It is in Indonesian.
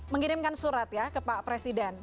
mengirimkan surat ya ke pak presiden